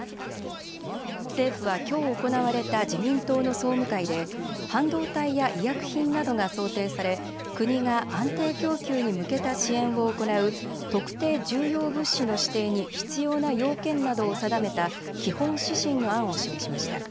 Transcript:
政府はきょう行われた自民党の総務会で半導体や医薬品などが想定され国が安定供給に向けた支援を行う特定重要物資の指定に必要な要件などを定めた基本指針の案を示しました。